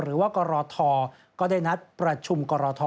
หรือว่ากรทก็ได้นัดประชุมกรท